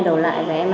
rồi tôi hết việc